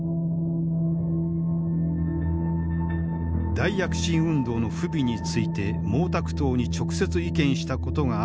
大躍進運動の不備について毛沢東に直接意見したことがあった李鋭。